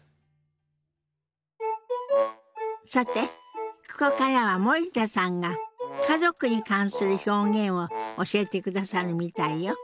さてここからは森田さんが家族に関する表現を教えてくださるみたいよ。